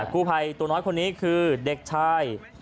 กู้ภัยตัวน้อยคนนี้คือเด็กชาย